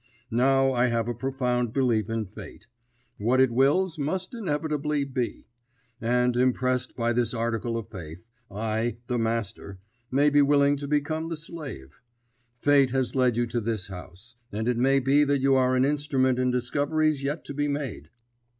Now, I have a profound belief in Fate; what it wills must inevitably be. And, impressed by this article of faith, I, the master, may be willing to become the slave. Fate has led you to this house, and it may be that you are an instrument in discoveries yet to be made.